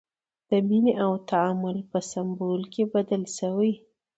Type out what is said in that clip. د مینې او تعامل په سمبول بدل شوی.